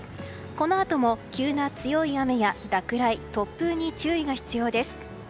このあとも急な強い雨や落雷、突風に注意が必要です。